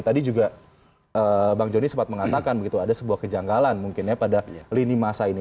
tadi juga bang joni sempat mengatakan begitu ada sebuah kejanggalan mungkin ya pada lini masa ini